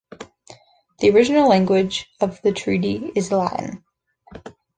The original language of the treaty is Latin.